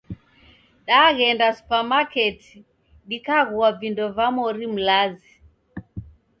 Daghenda supamaketi dikaghua vindo va mori mlazi